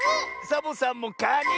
サボさんもかに！